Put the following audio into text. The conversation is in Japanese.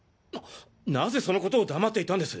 何故そのことを黙っていたんです？